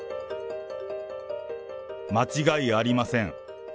間違いありません。